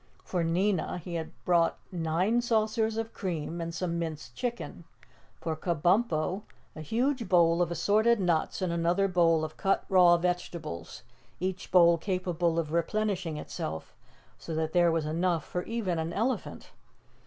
For Nina, he had brought nine saucers of cream and some minced chicken. For Kabumpo, a huge bowl of assorted nuts and another bowl of cut raw vegetables, each bowl capable of replenishing itself, so that there was enough for even an elephant.